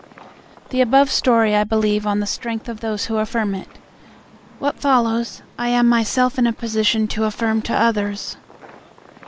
The above story I believe on the strength of those who affirm it. What follows I am myself in a position to affirm to others.